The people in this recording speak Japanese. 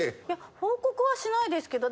報告はしないですけど。